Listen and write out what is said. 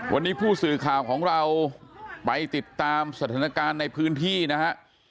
วันนี้ผู้สื่อข่าวของเราไปติดตามสถานการณ์ในพื้นที่นะฮะ